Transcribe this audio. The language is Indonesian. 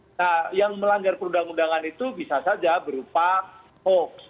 nah yang melanggar perundang undangan itu bisa saja berupa hoax